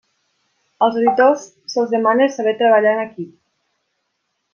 Als editors se'ls demana saber treballar en equip.